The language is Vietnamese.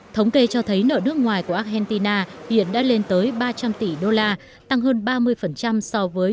thống kê cho thấy nợ nước ngoài của argentina hiện đã lên tới ba trăm linh tỷ đô la tăng hơn ba mươi so với